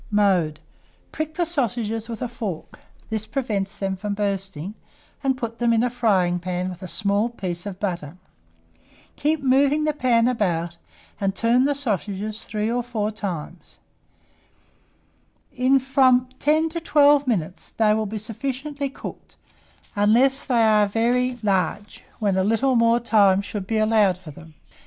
Mode. Prick the sausages with a fork (this prevents them from bursting), and put them into a frying pan with a small piece of butter. Keep moving the pan about, and turn the sausages 3 or 4 times. In from 10 to 12 minutes they will be sufficiently cooked, unless they are very large, when a little more time should be allowed for them.